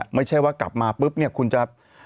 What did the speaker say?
ไม่ใช่ว่ากลับมาปุ๊บเนี่ยคุณจะ